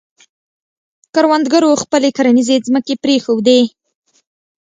کروندګرو خپلې کرنیزې ځمکې پرېښودې.